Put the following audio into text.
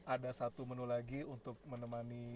ada satu menu lagi untuk menemani